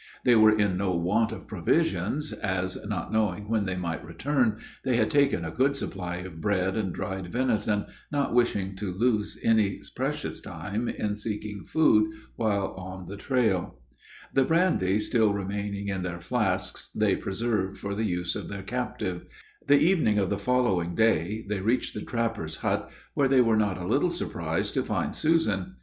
They were in no want of provisions, as, not knowing when they might return, they had taken a good supply of bread and dried venison, not wishing to loose any precious time in seeking food while on the trail. The brandy still remaining in their flasks, they preserved for the use of their captive. The evening of the following day, they reached the trapper's hut, where they were not a little surprised to find Susan.